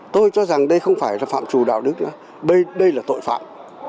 tôi cho rằng đây không phải là phạm trù đạo đức nữa đây là tội phạm